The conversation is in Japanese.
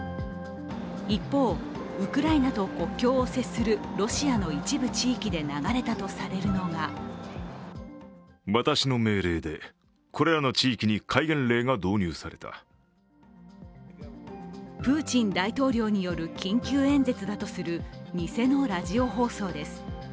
一方、ウクライナと国境を接するロシアの一部地域で流れたとされるのがプーチン大統領による緊急演説だとする偽のラジオ放送です。